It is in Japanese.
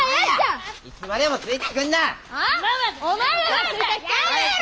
いつまでもついてくんな！